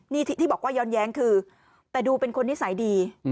นี่ที่บอกว่าย้อนแย้งคือแต่ดูเป็นคนนิสัยดี